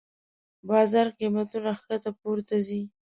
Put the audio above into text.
بازار قېمتونه کښته پورته ځي.